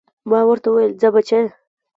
ما ورته وويل ځه بچيه.